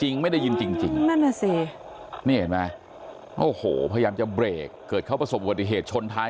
เนี่ยเห็นมั้ยโอ้โหพยับจะเบรกเกิดเขาผสมบัติเหตุท้อนท้าย